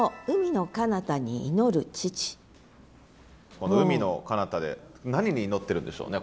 この「海の彼方」で何に祈ってるんでしょうね？